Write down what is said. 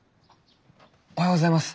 おはようございます。